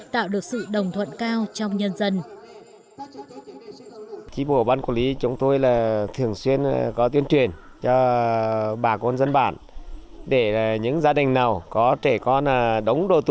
tạo được sự đồng thuận cao trong nhân dân